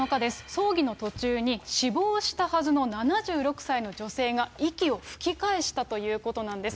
葬儀の途中に、死亡したはずの７６歳の女性が息を吹き返したということなんです。